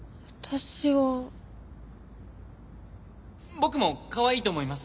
僕もかわいいと思います。